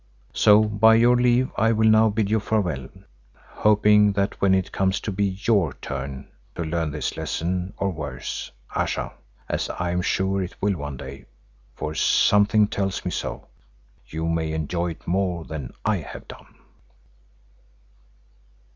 So by your leave, I will now bid you farewell, hoping that when it comes to be your turn to learn this lesson, or a worse, Ayesha, as I am sure it will one day, for something tells me so, you may enjoy it more than I have done."